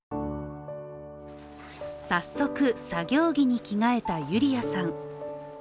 早速、作業着に着替えたユリヤさん。